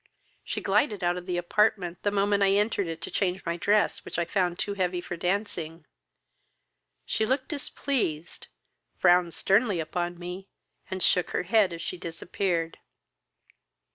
She glided out of the apartment the moment I entered it to change my dress, which I found too heavy for dancing. She looked displeased, frowned sternly upon me, and shook her head as she disappeared.